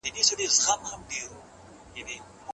ایا د ناول لیکوال ژوند دی؟